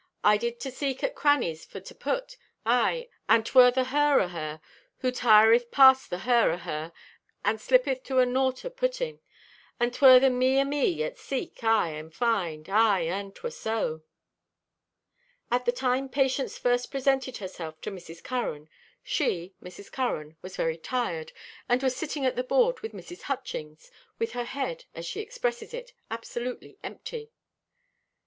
_—"I did to seek at crannies for to put; aye, and 'twer the her o' her who tireth past the her o' her, and slippeth to a naught o' putting; and 'twer the me o' me at seek, aye, and find. Aye, and 'twer so." At the time Patience first presented herself to Mrs. Curran, she (Mrs. Curran) was very tired, and was sitting at the board with Mrs. Hutchings, with her head, as she expresses it, absolutely empty.